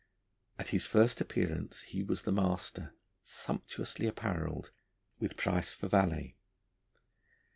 At his first appearance he was the master, sumptuously apparelled, with Price for valet.